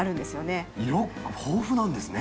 色豊富なんですね。